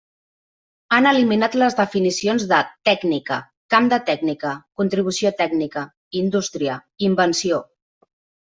Han eliminat les definicions de “tècnica”, “camp de la tècnica”, “contribució tècnica”, “indústria”, “invenció”.